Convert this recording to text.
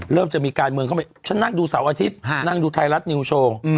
เริ่มจะมีการเมืองเข้าไปฉันนั่งดูเสาร์อาทิตย์นั่งดูไทยรัฐนิวโชว์